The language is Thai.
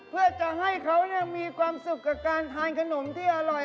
เพื่อจะให้เขามีความสุขกับการทานขนมที่อร่อย